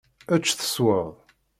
Ečč tesweḍ.